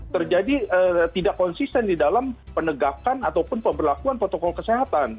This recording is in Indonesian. terjadi tidak konsisten di dalam penegakan ataupun pemberlakuan protokol kesehatan